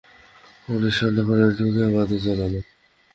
আনিস রান্নাঘরে ঢুকে বাতি জ্বালাল।